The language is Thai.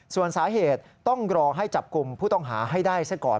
ส่วนสาเหตุต้องรอให้จับกลุ่มผู้ต้องหาให้ได้ซะก่อน